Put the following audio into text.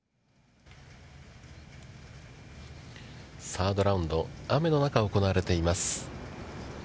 サードラウンド、雨の中、行われています。